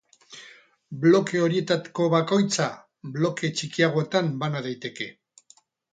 Bloke horietako bakoitza bloke txikiagoetan bana daiteke.